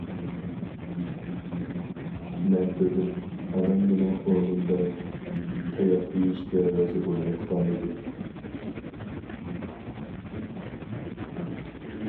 مەن بىلدىم، ئانام مېنىڭ ئورنۇمدا تاياق يېيىشكە رازى بولۇۋاتقانىدى.